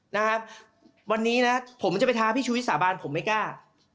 นะครับวันนี้นะผมจะไปท้าพี่ชุวิตสาบานผมไม่กล้า